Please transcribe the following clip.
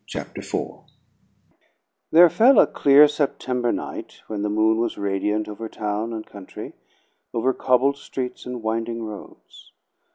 Chapter Four There fell a clear September night, when the moon was radiant over town and country, over cobbled streets and winding roads.